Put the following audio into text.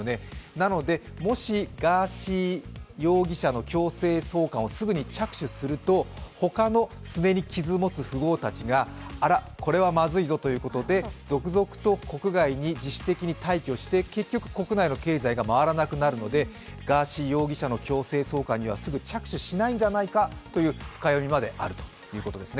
なので、もしガーシー容疑者の強制送還をすぐに着手すると、他のすねに傷を持つ富豪たちがあら、これはまずいぞということで続々と国外に自主的に退去して結局、国内の経済に回らなくなるので、ガーシー容疑者の強制送還にはすぐ着手しないんじゃないかという深読みまであるということです。